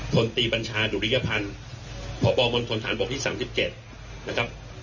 ทนตรีบัญชาดุริยภัณฑ์ผอบรมนทนฐานบกที่สามสิบเจ็ดนะครับ